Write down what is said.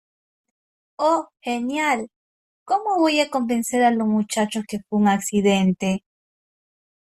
Oh, genial. ¿ cómo voy a convencer a los muchachos que fue un accidente?